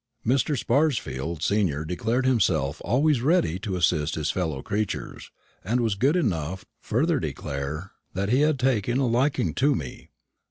Mr. Sparsfield senior declared himself always ready to assist his fellow creatures, and was good enough further to declare that he had taken a liking to me.